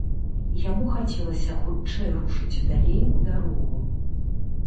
Яму хацелася хутчэй рушыць далей у дарогу.